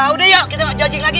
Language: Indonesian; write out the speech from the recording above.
udah yuk kita judging lagi